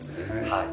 はい。